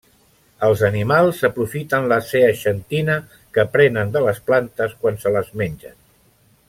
Els animals aprofiten la zeaxantina que prenen de les plantes quan se les mengen.